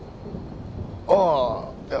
ああいや